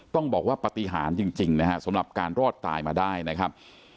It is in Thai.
ต้องบอกว่าปฏิหารจริงนะฮะสำหรับการรอดตายมาได้นะครับ